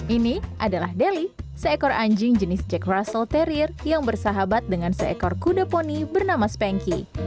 ini adalah delhi seekor anjing jenis jack russel terrrier yang bersahabat dengan seekor kuda poni bernama spanky